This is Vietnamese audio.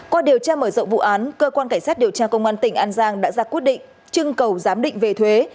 qua điều tra mở rộng vụ án cơ quan cảnh sát điều tra công an tỉnh an giang đã ra quyết định trưng cầu giám định về thuế